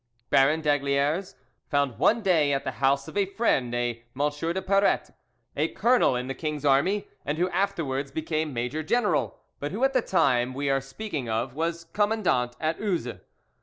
Baron d'Aygaliers found one day at the house of a friend a M. de Paratte, a colonel in the king's army, and who afterwards became major general, but who at the time we are speaking of was commandant at Uzes.